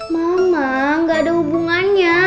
mama gak ada hubungannya